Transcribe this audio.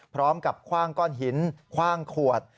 พร้อมกับคว่างก้อนหินคว่างขวด